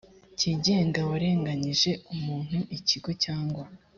cyigenga warenganyije umuntu ikigo cyangwa